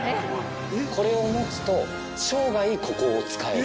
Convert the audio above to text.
これを持つと生涯ここを使える。